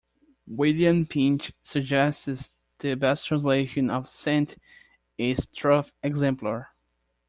William Pinch suggests the best translation of "sant" is "truth-exemplar".